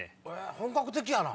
本格的やな。